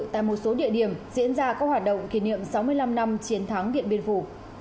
tại một số địa điểm diễn ra các hoạt động kỷ niệm sáu mươi năm năm chiến thắng điện biên phủ